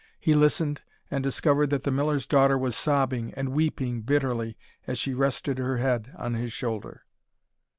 He listened, and discovered that the Miller's daughter was sobbing and weeping bitterly as she rested her head on his shoulder.